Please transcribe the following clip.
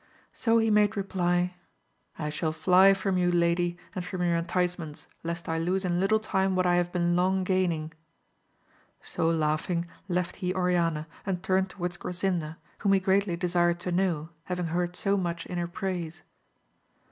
So he made reply, I shall fly from you lady and from your entice ments lest I lose in little time what I have been long gaining. So laughing left he Oriana and turne^ to* wards Grasinda, whom he greatly desired to know, having heard so much in her praise.